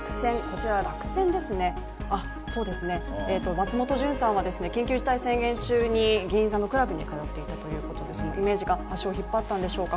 松本純さんは緊急事態宣言中に銀座のクラブに通っていたということでそのイメージが足を引っ張ったんでしょうか